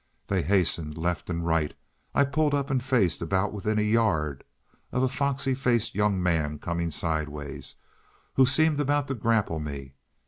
They hastened left and right; I pulled up and faced about within a yard of a foxy faced young man coming sideways, who seemed about to grapple me.